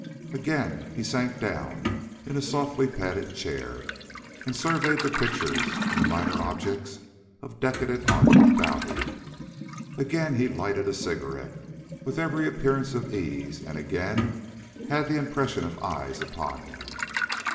Again he sank down in a softly padded chair and surveyed the pictures and the minor objects of decadent art about him. Again he lighted a cigarette with every appearance of ease, and again had the impression of eyes upon him.